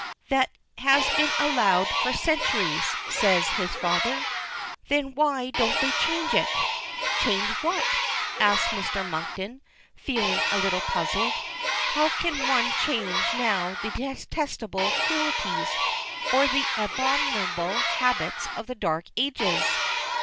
"That has been allowed for centuries," says his father. "Then why don't they change it?" "Change what?" asks Mr. Monkton, feeling a little puzzled. "How can one change now the detestable cruelties or the abominable habits of the dark ages?"